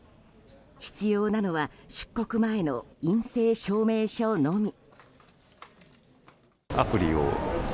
必要なのは出国前の陰性証明書のみ。